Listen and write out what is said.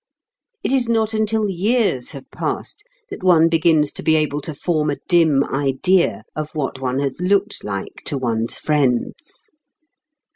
It is not until years have passed that one begins to be able to form a dim idea of what one has looked like to one's friends.